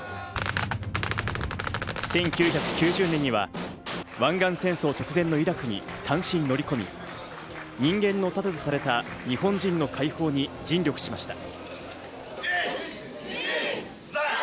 １９９０年には湾岸戦争直前のイラクに単身乗り込み、人間の盾とされた日本人の解放に尽力しました。